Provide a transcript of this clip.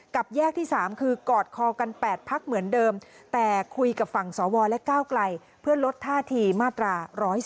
กับแยกที่๓คือกอดคอกัน๘พักเหมือนเดิมแต่คุยกับฝั่งสวและก้าวไกลเพื่อลดท่าทีมาตรา๑๔